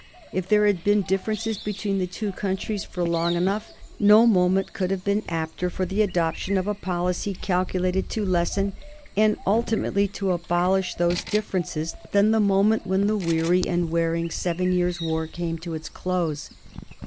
If there had been differences between the two countries for long enough, no moment could have been apter for the adoption of a policy calculated to lessen and ultimately to abolish those differences than the moment when the weary and wearing Seven Years' War came to its close.